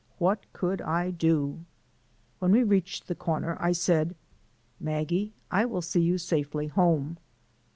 What could I do? When we reached the corner, I said: "Maggie, I will see you safely home."